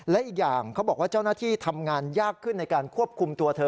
และอีกอย่างเขาบอกว่าเจ้าหน้าที่ทำงานยากขึ้นในการควบคุมตัวเธอ